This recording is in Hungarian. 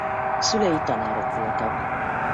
Szülei tanárok voltak.